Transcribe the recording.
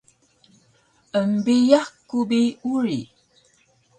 Embiyax ku bi uri